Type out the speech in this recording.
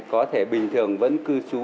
có thể bình thường vẫn cư trú